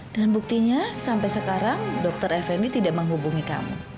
dan buktinya sampai sekarang dokter effendi tidak menghubungi kamu